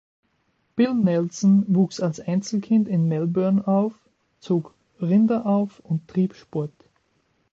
Bill Nelson wuchs als Einzelkind in Melbourne auf, zog Rinder auf und trieb Sport.